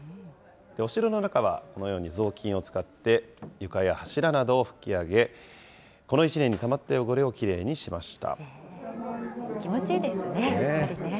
お城の中は、このように雑巾を使って、床や柱などを拭き上げ、この１年にたまった汚れをきれいにしました。